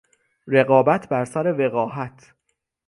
رقابت بر سر وقاحت